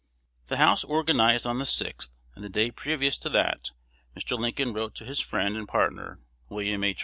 The House organized on the 6th; and the day previous to that. Mr. Lincoln wrote to his friend and partner, William H.